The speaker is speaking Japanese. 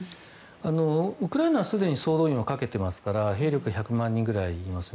ウクライナはすでに総動員をかけてますから兵力は１００万人くらいいますね。